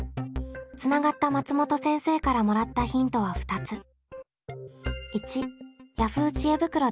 つながった松本先生からもらったヒントは２つ。